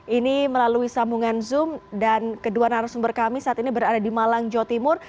ini melalui sambungan zoom dan kedua narasumber kami saat ini berada di malang jawa timur